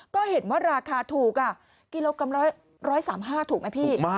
ก็เห็นว่าราคาถูกกิโลกรัม๑๓๕ถูกไหมพี่